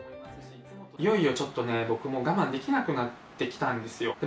いよいよちょっとね、僕も我慢できなくなってきたんですよ。